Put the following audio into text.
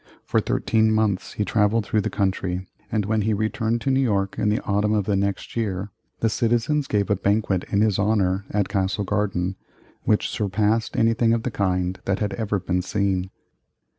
For thirteen months he travelled through the country, and when he returned to New York in the autumn of the next year, the citizens gave a banquet in his honor, at Castle Garden, which surpassed anything of the kind that had ever been seen.